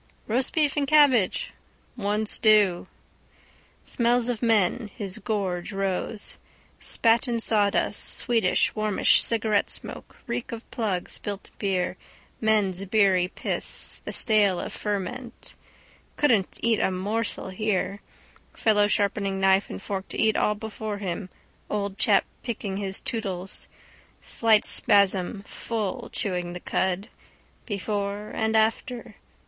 —Roast beef and cabbage. —One stew. Smells of men. Spat on sawdust, sweetish warmish cigarettesmoke, reek of plug, spilt beer, men's beery piss, the stale of ferment. His gorge rose. Couldn't eat a morsel here. Fellow sharpening knife and fork to eat all before him, old chap picking his tootles. Slight spasm, full, chewing the cud. Before and after.